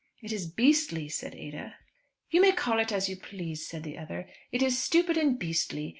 "It is beastly," said Ada. "You may call it as you please," said the other, "it is stupid and beastly.